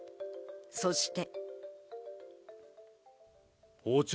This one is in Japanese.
そして。